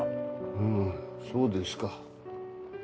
あぁそうですか。